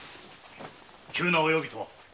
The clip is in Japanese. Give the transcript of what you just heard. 急なお呼びとは？